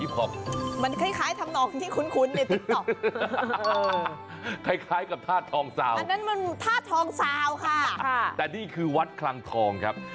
ไปเถอะครับ